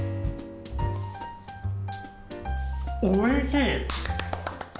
おいしい。